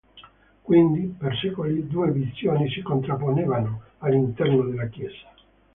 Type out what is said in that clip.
Quindi, per secoli due visioni si contrapponevano all'interno della Chiesa.